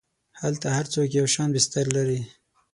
هلته هر څوک یو شان بستر لري.